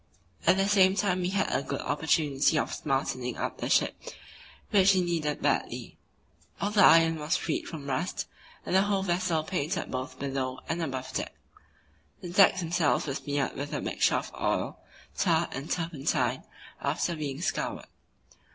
At the same time we had a good opportunity of smartening up the ship, which she needed badly. All the iron was freed from rust, and the whole vessel painted both below and above deck. The decks themselves were smeared with a mixture of oil, tar and turpentine, after being scoured.